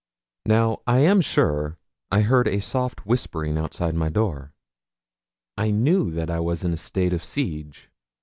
Now, I am sure, I heard a soft whispering outside my door. I knew that I was in a state of siege!